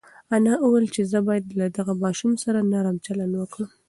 انا وویل چې زه باید له دغه ماشوم سره نرم چلند وکړم.